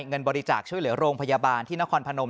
เงินบริจาคช่วยเหลือโรงพยาบาลที่นครพนม